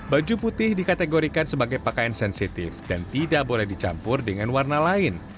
baju putih dikategorikan sebagai pakaian sensitif dan tidak boleh dicampur dengan warna lain